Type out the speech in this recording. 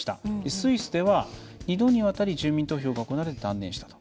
スイスでは、２度にわたり住民投票が行われ断念したと。